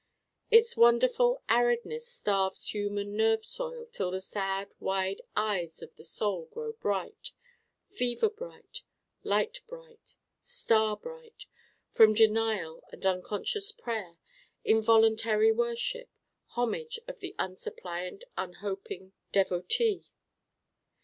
Its wonderful Aridness starves human nerve soil till the sad wide eyes of the Soul grow bright fever bright, light bright, star bright from denial and unconscious prayer: involuntary worship: homage of the unsuppliant unhoping dévotee.